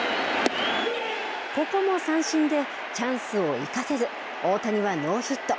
ここも三振でチャンスを生かせず大谷はノーヒット。